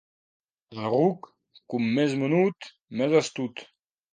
El ruc com més menut més astut.